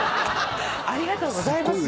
ありがとうございます。